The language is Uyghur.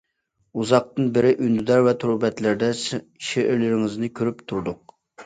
ئۇزاقتىن بېرى ئۈندىدار ۋە تور بەتلەردە شېئىرلىرىڭىزنى كۆرۈپ تۇردۇق.